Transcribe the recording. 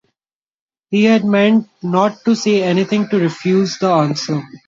He had meant not to say anything, to refuse to answer.